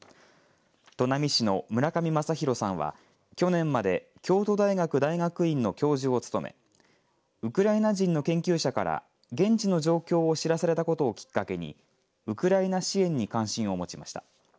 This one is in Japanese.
砺波市の村上正浩さんは去年まで京都大学大学院の教授を務めウクライナ人の研究者から現地の状況を知らされたことをきっかけにウクライナ支援に関心を持ちました。